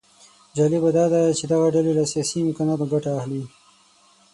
جالبه داده چې دغه ډلې له سیاسي امکاناتو ګټه اخلي